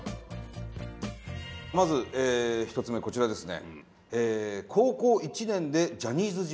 まず１つ目こちらですね。